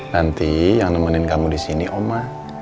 nanti yang nemenin kamu di sini oma